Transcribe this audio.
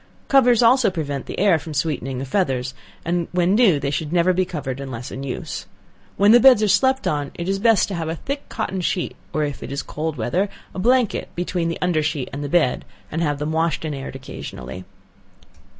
Covers also prevent the air from sweetening the feathers, and when new they should never be covered unless in use. When beds are slept on, it is best to have a thick cotton sheet, or if it is cold weather, a blanket between the under sheet and the bed, and have them washed and aired occasionally.